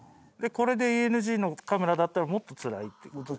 これでＥＮＧのカメラだったらもっとつらいっていう。